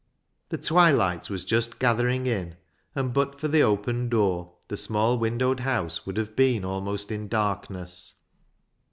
The twilight was just gathering in, and but for the open door the small windowed house would have been almost in darkness.